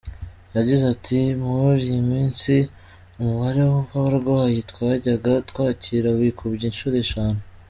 Yagize ati “Muir iyi minsi umubare w’abarwayi twajyaga twakira wikubye inshuro eshanu.